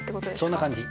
そんな感じ。